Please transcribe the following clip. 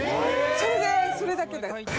それでそれだけで。